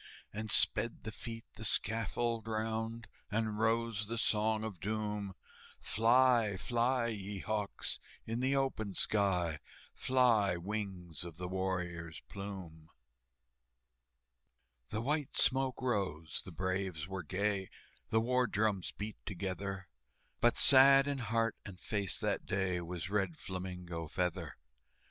And sped the feet the scaffold round, And rose the Song of Doom, "Fly, fly, ye hawks, in the open sky, Fly, wings of the warrior's plume!" The white smoke rose, the braves were gay, The war drums beat together, But sad in heart and face that day Was Red Flamingo Feather.